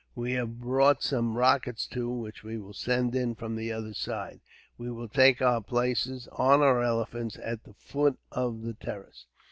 We have brought some rockets, too, which we will send in from the other side. We will take our places, on our elephants, at the foot of the terrace."